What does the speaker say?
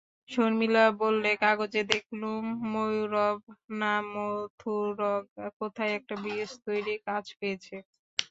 শর্মিলা বললে, কাগজে দেখলুম ময়ুরভ না মথুরগ কোথায় একটা ব্রিজ তৈরির কাজ পেয়েছ।